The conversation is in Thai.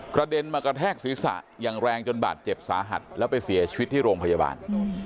เด็นมากระแทกศีรษะอย่างแรงจนบาดเจ็บสาหัสแล้วไปเสียชีวิตที่โรงพยาบาล